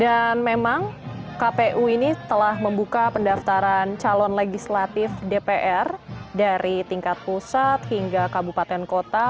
dan memang kpu ini telah membuka pendaftaran calon legislatif dpr dari tingkat pusat hingga kabupaten kota